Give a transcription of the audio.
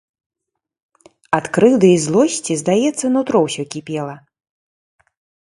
Ад крыўды і злосці, здаецца, нутро ўсё кіпела.